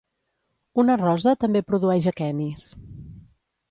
Una rosa també produeix aquenis.